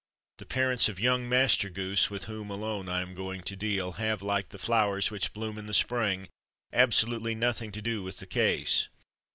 The parents of young Master Goose, with whom alone I am going to deal, have, like the flowers which bloom in the spring, absolutely nothing to do with the case.